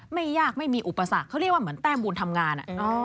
ไม่ยากไม่มีอุปสรรคเขาเรียกตั้งบุญทำงาน